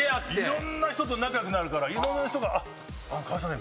いろんな人と仲良くなるからいろんな人が「川合さん